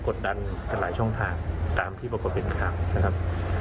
กดดันกันหลายช่องทางตามที่ปรากฏเป็นข่าวนะครับ